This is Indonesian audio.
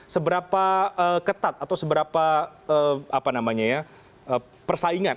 seberapa ketat atau seberapa persaingan